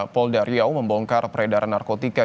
polda riau membongkar peredaran narkotika